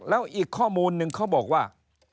แล้วอีกข้อมูลหนึ่งเขาบอกว่า